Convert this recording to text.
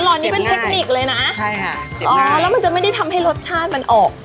นี้เป็นเทคนิคเลยนะใช่ค่ะอ๋อแล้วมันจะไม่ได้ทำให้รสชาติมันออก